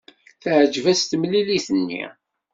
Teɛjeb-as temlilit-nni.